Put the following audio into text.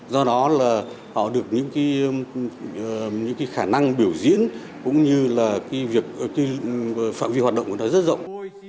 do đó là họ được những khả năng biểu diễn cũng như phạm vi hoạt động của nó rất rộng